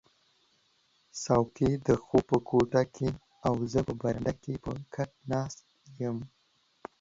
څوکی د خوب کوټه کې او زه په برنډه کې په کټ ناست یم